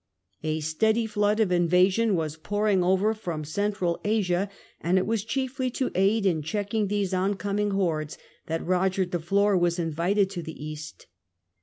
A steady flood of invasion was pouring over from Central Asia, and it was chiefly to aid in checking these on coming hordes that Eoger de Flor was invited to the East.